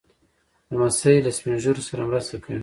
لمسی له سپين ږیرو سره مرسته کوي.